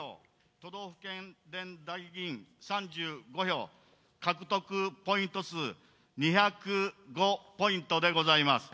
都道府県連代議員３５票、獲得ポイント数２０５ポイントでございます。